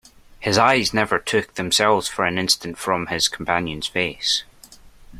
His eyes never took themselves for an instant from his companion's face.